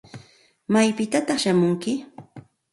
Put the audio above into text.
¿Maypitataq shamunki?